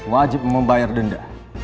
wajib membayar denda